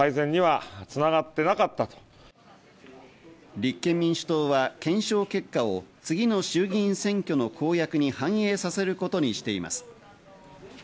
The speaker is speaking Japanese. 立憲民主党は検証結果を次の衆議院選挙の公約に反映させることにしています。